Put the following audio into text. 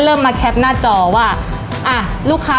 พี่หมวยถึงได้ใจอ่อนมั้งค่ะ